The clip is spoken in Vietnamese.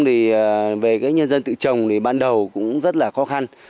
thì về cái nhân dân tự trồng thì ban đầu cũng rất là khó khăn